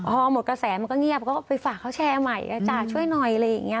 พอหมดกระแสมันก็เงียบเขาก็ไปฝากเขาแชร์ใหม่อาจารย์ช่วยหน่อยอะไรอย่างนี้